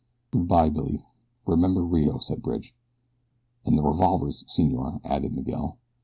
"Good bye Billy, remember Rio," said Bridge. "And the revolvers, senor," added Miguel.